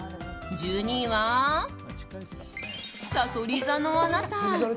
１２位は、さそり座のあなた。